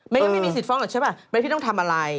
ยังไม่มีสิทธิฟ้องหรอกใช่ป่ะมันพี่ต้องทำอะไร